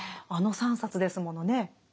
あの３冊ですものね。